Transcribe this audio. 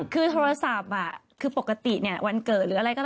คือโทรศัพท์ปกติวันเกิดหรืออะไร